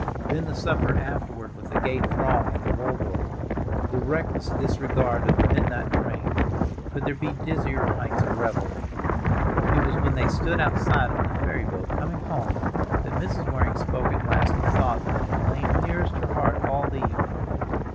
Then the supper afterward with the gay throng at the Waldorf—the reckless disregard of the midnight train—could there be dizzier heights of revelry? It was when they stood outside on the ferry boat coming home that Mrs. Waring spoke at last the thought that had lain nearest her heart all the evening.